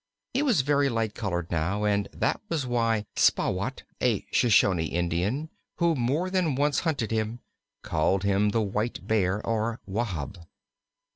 He was very light colored now, and this was why Spahwat, a Shoshone Indian who more than once hunted him, called him the Whitebear, or Wahb.